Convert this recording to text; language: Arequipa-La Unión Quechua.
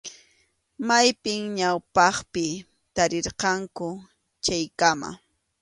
Maypim ñawpaqpi tarirqanku chaykama.